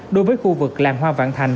đối với khu vực làng hoa vạn thành